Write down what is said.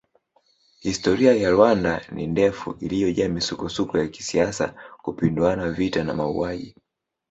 Historia ya Rwanda ni ndefu iliyojaa misukosuko ya kisiasa kupinduana vita na mauaji